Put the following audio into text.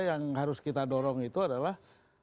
yang harus kita dorong itu adalah